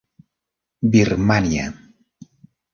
Birmània.